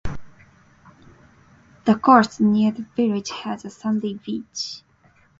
The coast near the village has a sandy beach.